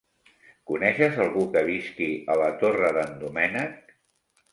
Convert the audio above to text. Coneixes algú que visqui a la Torre d'en Doménec?